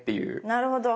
なるほど。